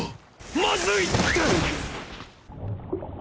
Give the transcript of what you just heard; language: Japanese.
まずい！